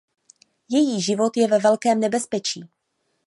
Její život je ve velkém nebezpečí.